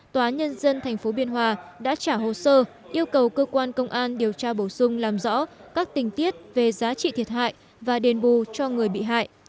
tòa nhân dân tp biên hòa đã trả hồ sơ yêu cầu cơ quan công an điều tra bổ sung làm rõ các tình tiết về giá trị thiệt hại và đền bù cho người bị hại